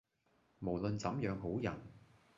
無論怎樣好人，